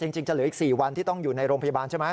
จริงจะเหลืออีก๔วันที่ต้องอยู่ในโรงพยาบาลใช่ไหม